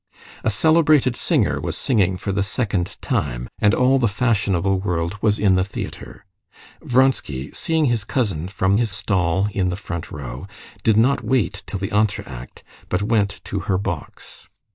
The celebrated singer was singing for the second time, and all the fashionable world was in the theater. Vronsky, seeing his cousin from his stall in the front row, did not wait till the entr'acte, but went to her box.